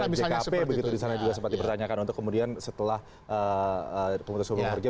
dan juga ada jkp disana juga seperti pertanyakan untuk kemudian setelah pemutusan hubungan kerja